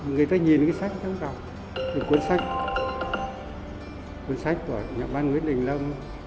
người ta nhìn cái sách thẳng rộng cái cuốn sách của nhà văn nguyễn đình lâm